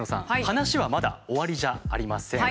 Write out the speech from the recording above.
話はまだ終わりじゃありません。